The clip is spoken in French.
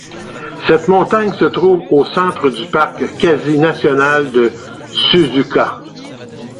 Cette montagne se trouve au centre du parc quasi national de Suzuka.